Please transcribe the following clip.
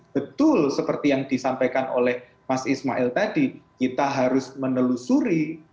betul seperti yang disampaikan oleh mas ismail tadi kita harus menelusuri